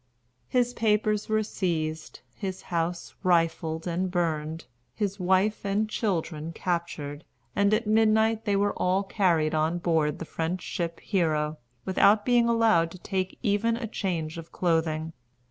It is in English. His papers were seized, his house rifled and burned, his wife and children captured, and at midnight they were all carried on board the French ship Hero, without being allowed to take even a change of clothing.